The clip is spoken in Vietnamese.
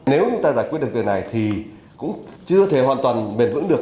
nếu chúng ta giải quyết được điều này thì cũng chưa thể hoàn toàn bền vững được